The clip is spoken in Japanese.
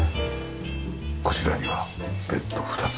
こちらにはベッド２つ。